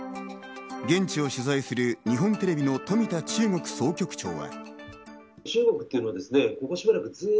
現地を取材する日本テレビの富田中国総局長は。